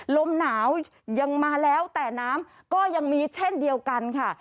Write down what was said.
ลมหนาวยังมาแล้วแต่น้ำก็ยังมีเช่นเดียวกันค่ะ